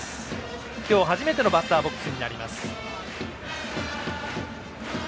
今日初めてのッターボックス。